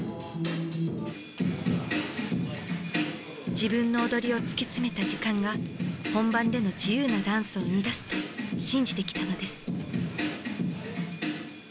自分の踊りを突き詰めた時間が本番での自由なダンスを生み出すと信じてきたのです。